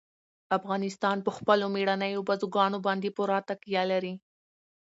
افغانستان په خپلو مېړنیو بزګانو باندې پوره تکیه لري.